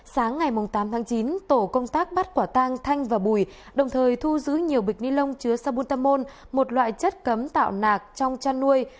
sáng ngày tám tháng chín tổ công tác bắt quả tang thanh và bùi đồng thời thu giữ nhiều bịch ni lông chứa sabutamol một loại chất cấm tạo nạc trong chăn nuôi